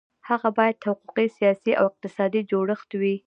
هغه باید حقوقي، سیاسي او اقتصادي جوړښت وي.